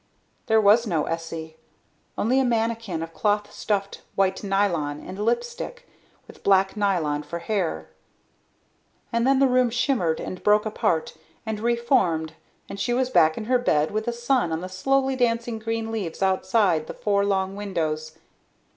There was no Essie, only a mannikin of cloth stuffed white nylon and lipstick, with black nylon for hair. And then the room shimmered and broke apart and reformed and she was back in her bed with the sun on the slowly dancing green leaves outside the four long windows.